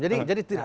jadi tidak berdaya